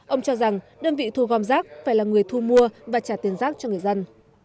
ông cho rằng đơn vị thu gom rác phải là người thu mua và trả tiền rác cho người dân